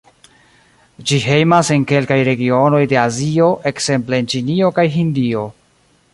Ĝi hejmas en kelkaj regionoj de Azio, ekzemple en Ĉinio kaj Hindio.